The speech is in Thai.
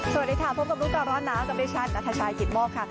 สวัสดีค่ะพบกับลูกการณ์ร้อนน้ำกับดิฉันนัทชายกิตมกค่ะ